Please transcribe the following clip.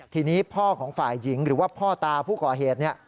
ทีนี้พ่อของฝ่ายหญิงหรือว่าพ่อตาผู้ก่อเหตุ